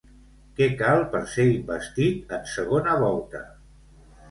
Què cal per ser investit en segona volta?